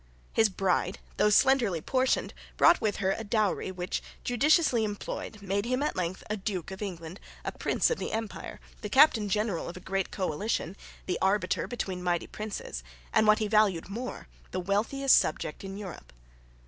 His bride, though slenderly portioned, brought with her a dowry which, judiciously employed, made him at length a Duke of England, a Prince of the Empire, the captain general of a great coalition, the arbiter between mighty princes, and, what he valued more, the wealthiest subject in Europe.